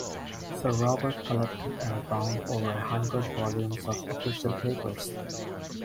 Sir Robert collected and bound over a hundred volumes of official papers.